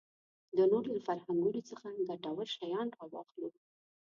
د نورو له فرهنګونو څخه ګټور شیان راواخلو.